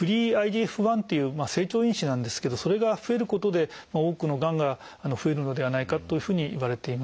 １っていう成長因子なんですけどそれが増えることで多くのがんが増えるのではないかというふうにいわれています。